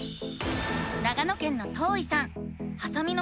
長野県のとういさん。